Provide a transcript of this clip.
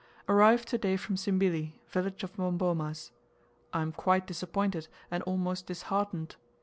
Arrived to day from Zimbili, village of Bomboma's. I am quite disappointed and almost disheartened.